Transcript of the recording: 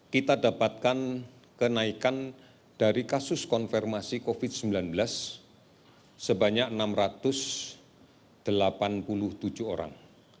kita dapatkan kenaikan dari kasus konfirmasi covid sembilan belas sebanyak enam ratus delapan puluh tujuh orang